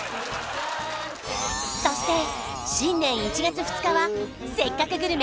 そして新年１月２日は「せっかくグルメ！！」